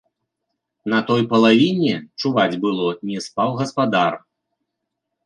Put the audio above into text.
На той палавіне, чуваць было, не спаў гаспадар.